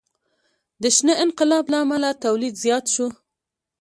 د شنه انقلاب له امله تولید زیات شو.